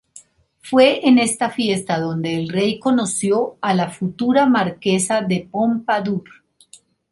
Fue en esta fiesta donde el rey conoció a la futura marquesa de Pompadour.